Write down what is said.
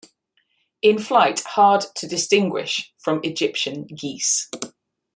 In flight hard to distinguish from Egyptian geese.